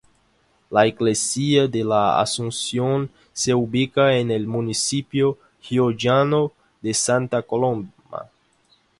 La iglesia de la Asunción se ubica en el municipio riojano de Santa Coloma.